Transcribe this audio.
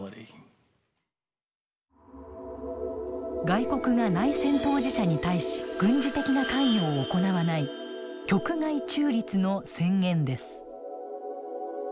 外国が内戦当事者に対し軍事的な関与を行わない局外中立の宣言です。